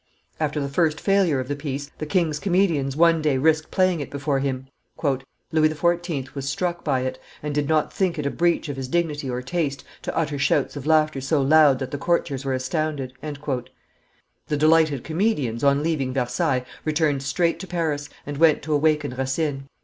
After the first failure of the piece, the king's comedians one day risked playing it before him. "Louis XIV. was struck by it, and did not think it a breach of his dignity or taste to utter shouts of laughter so loud that the courtiers were astounded." The delighted comedians, on leaving Versailles, returned straight to Paris, and went to awaken Racine.